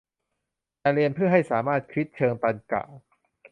แต่เรียนเพื่อให้สามารถคิดเชิงตรรกะ